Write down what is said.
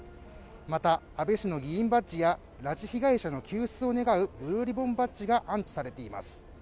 また安倍氏の議員バッチや拉致被害者の救出を願うブルーリボンバッチが安置されています